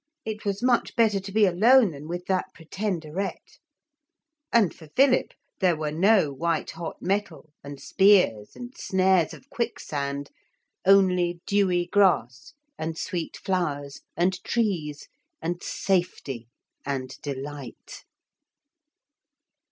It was much better to be alone than with that Pretenderette. And for Philip there were no white hot metal and spears and snares of quicksand, only dewy grass and sweet flowers and trees and safety and delight.